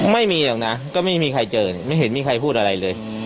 ไม่มีหรอกนะก็ไม่มีใครเจอไม่เห็นมีใครพูดอะไรเลย